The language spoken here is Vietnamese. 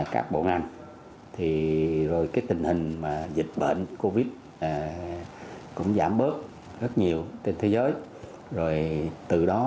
các bộ ngành rồi cái tình hình mà dịch bệnh covid cũng giảm bớt rất nhiều trên thế giới rồi từ đó